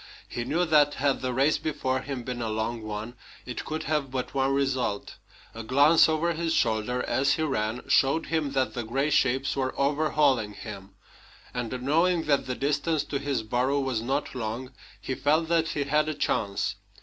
He knew that, had the race before him been a long one, it could have but one result. A glance over his shoulder, as he ran, showed him that the gray shapes were overhauling him; and, knowing that the distance to his burrow was not long, he felt that he had a chance.